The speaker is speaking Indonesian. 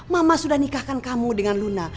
mama sudah nikahkan kamu dengan luna